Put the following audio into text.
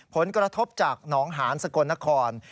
ผลกระทบจากหนองหานสกลนคร